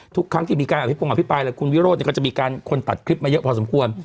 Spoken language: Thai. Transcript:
ทุกครั้งที่มีการอภิปงอภิปรายคุณวิโรธก็จะมีการคนตัดคลิปมาเยอะพอสมควร